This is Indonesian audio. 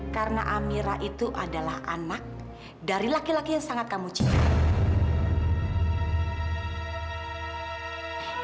karena amira itu adalah anak dari laki laki yang sangat kamu cintai